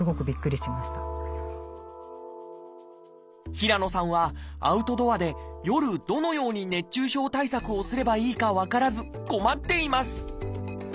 平野さんはアウトドアで夜どのように熱中症対策をすればいいか分からず困っています